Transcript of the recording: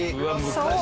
そう。